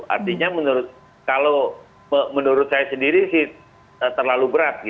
artinya menurut saya sendiri terlalu berat